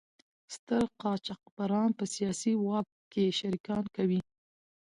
ستر قاچاقبران په سیاسي واک کې شریکان کوي.